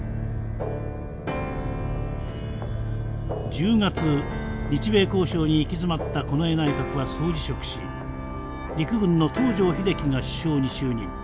１０月日米交渉に行き詰まった近衛内閣は総辞職し陸軍の東条英機が首相に就任。